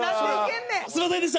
すみませんでした！